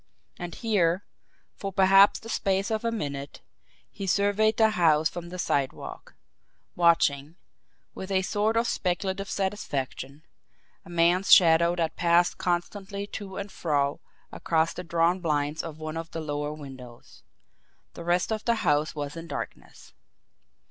And here, for perhaps the space of a minute, he surveyed the house from the sidewalk watching, with a sort of speculative satisfaction, a man's shadow that passed constantly to and fro across the drawn blinds of one of the lower windows. The rest of the house was in darkness.